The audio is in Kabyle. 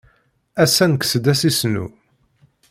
Ass-a nekkes-d asisnu.